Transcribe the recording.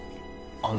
あの